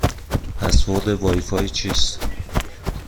پسورد وای فای چیست؟